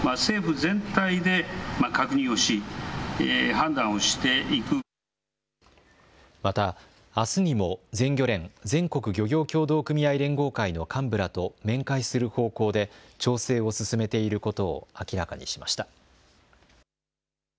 視察のあとまた、あすにも全漁連＝全国漁業協同組合連合会の幹部らと面会する方向で調整を進めていることを明らかにしました。